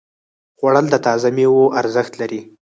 خوړل د تازه ميوو ارزښت لري